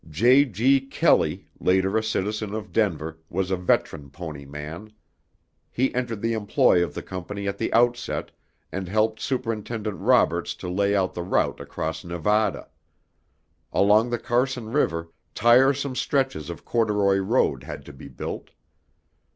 J. G. Kelley, later a citizen of Denver, was a veteran pony man. He entered the employ of the company at the outset, and helped Superintendent Roberts to lay out the route across Nevada. Along the Carson River, tiresome stretches of corduroy road had to be built.